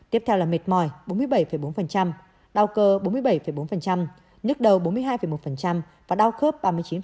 tiếp theo là mệt mỏi đau cơ nhức đầu và đau khớp